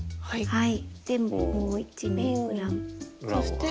はい。